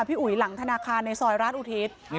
พี่อุ๋ยหลังธนาคารในซอยราชอุทิศ